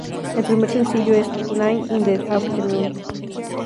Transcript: El primer sencillo es "Nine in the Afternoon".